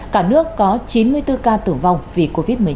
cả nước có chín mươi bốn ca tử vong vì covid một mươi chín